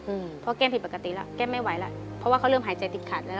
อืมเพราะแก้มผิดปกติแล้วแก้มไม่ไหวแล้วเพราะว่าเขาเริ่มหายใจติดขัดแล้ว